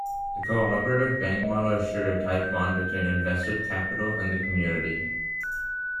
The cooperative bank model assured a tight bond between invested capital and the community.